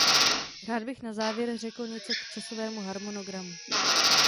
Rád bych na závěr řekl něco k časovému harmonogramu.